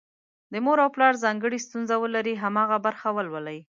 که مور او پلار ځانګړې ستونزه ولري، هماغه برخه ولولي.